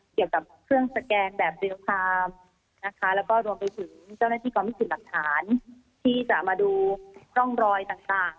เกี่ยวกับเครื่องสแกนแบบเรียลไทม์นะคะแล้วก็รวมไปถึงเจ้าหน้าที่กองพิสูจน์หลักฐานที่จะมาดูร่องรอยต่าง